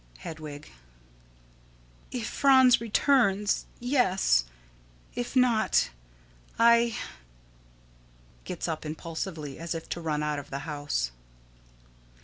Hedwig: If Franz returns, yes; if not I [_Gets up impulsively, as if to run out of the house.